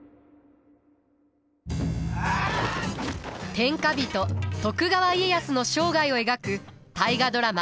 天下人徳川家康の生涯を描く大河ドラマ